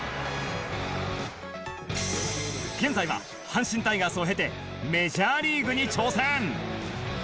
現在は阪神タイガースを経てメジャーリーグに挑戦。